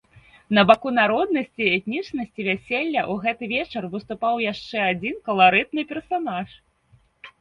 На баку народнасці і этнічнасці вяселля ў гэты вечар выступаў яшчэ адзін каларытны персанаж.